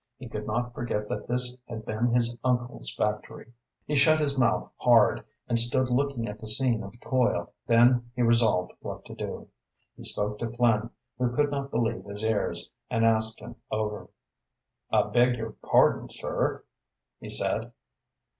He could not forget that this had been his uncle's factory. He shut his mouth hard, and stood looking at the scene of toil, then he resolved what to do. He spoke to Flynn, who could not believe his ears, and asked him over. "I beg your pardon, sir," he said.